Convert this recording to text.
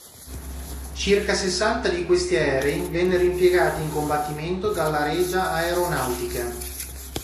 Circa sessanta di questi aerei vennero impiegati in combattimento dalla Regia Aeronautica.